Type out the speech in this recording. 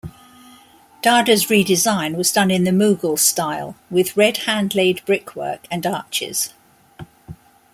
Dada's redesign was done in the Mughal style, with red, hand-laid brickwork and arches.